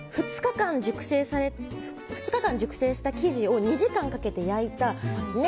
２日間熟成した記事を２時間かけて焼いたね